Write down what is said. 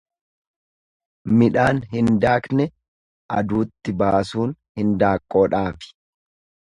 Midhaan hin daakne aduutti baasuun hindaaqqoodhaafi.